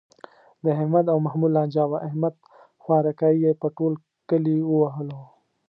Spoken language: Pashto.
د احمد او محمود لانجه وه، احمد خوارکی یې په ټول کلي و وهلو.